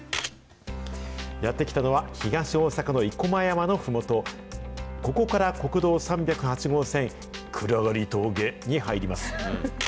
やって来たのは東大阪の生駒山のふもと、ここから国道３０８号線暗峠に入ります。